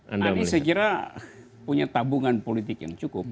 anies sekiranya punya tabungan politik yang cukup